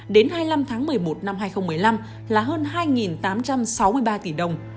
đến hai mươi năm tháng một mươi một năm hai nghìn một mươi năm là hơn hai tám trăm sáu mươi ba tỷ đồng